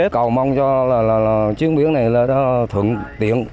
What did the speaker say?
cầu mong cho chuyến biển này thuận